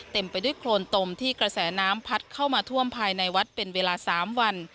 เต็มไปด้วยโครนตมที่กระแสน้ำพัดเข้ามาท่วมภายในวัดเป็นเวลา๓วัน